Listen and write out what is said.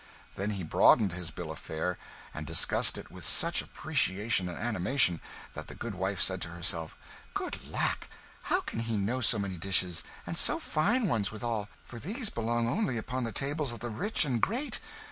Then he broadened his bill of fare, and discussed it with such appreciation and animation, that the goodwife said to herself, "Good lack! how can he know so many dishes, and so fine ones withal? For these belong only upon the tables of the rich and great.